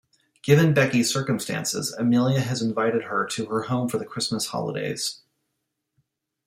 Given Becky's circumstances, Amelia has invited her to her home for the Christmas holidays.